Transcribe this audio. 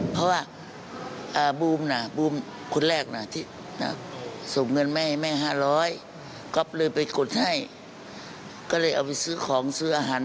เพราะว่ามันก็อยู่แล้วเนอะ